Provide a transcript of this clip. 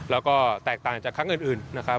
แล้วก็แตกต่างจากครั้งอื่นนะครับ